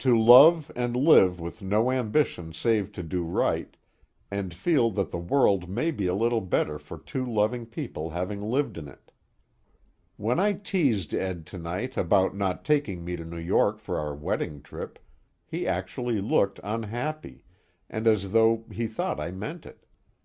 To love and live with no ambition save to do right, and feel that the world may be a little better for two loving people having lived in it. When I teased Ed to night about not taking me to New York for our wedding trip, he actually looked unhappy, and as though he thought I meant it.